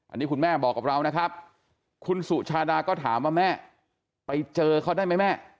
อันนี้คุณแม่บอกกับเรานะครับคุณสุชาดาก็ถามว่าแม่ไปเจอเขาได้ไหมแม่